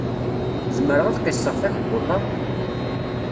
Zemreɣ ad qisseɣ takebbuḍt-a?